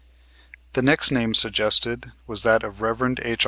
] The next name suggested was that of the Rev. H.